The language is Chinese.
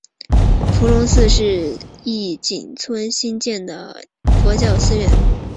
伏龙寺是义井村兴建的佛教寺院。